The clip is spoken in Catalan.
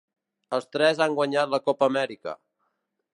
Els tres han guanyat la Copa Amèrica.